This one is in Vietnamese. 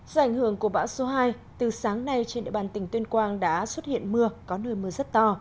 do ảnh hưởng của bão số hai từ sáng nay trên địa bàn tỉnh tuyên quang đã xuất hiện mưa có nơi mưa rất to